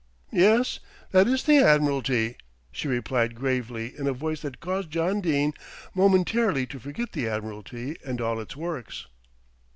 "Yes, that is the Admiralty," she replied gravely in a voice that caused John Dene momentarily to forget the Admiralty and all its works.